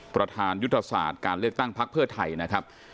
ประธานยุทธศาสตร์การเลือกตั้งพักเพื่อไทยนะครับ